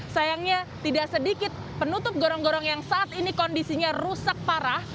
sayangnya tidak sedikit penutup gorong gorong yang saat ini kondisinya rusak parah